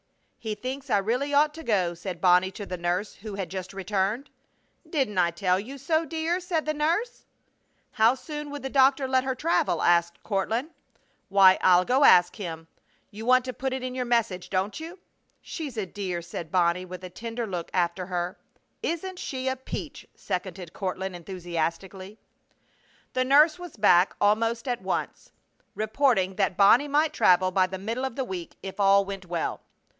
"He thinks I really ought to go," said Bonnie to the nurse, who had just returned. "Didn't I tell you so, dear?" said the nurse. "How soon would the doctor let her travel?" asked Courtland. "Why, I'll go ask him. You want to put it in your message, don't you?" "She's a dear!" said Bonnie, with a tender look after her. "Isn't she a peach!" seconded Courtland, enthusiastically. The nurse was back almost at once, reporting that Bonnie might travel by the middle of the week if all went well.